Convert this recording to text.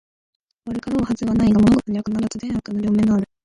悪かろうはずはないが、物事には必ず善悪の両面がある